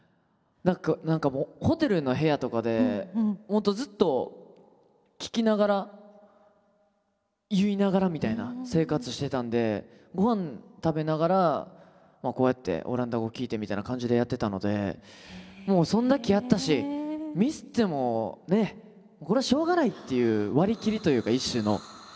何か何かもうホテルの部屋とかで本当ずっと聞きながら言いながらみたいな生活してたんで御飯食べながらこうやってオランダ語聞いてみたいな感じでやってたのでもうそんだけやったしミスってもねっこれはしょうがないっていう割り切りというか一種の。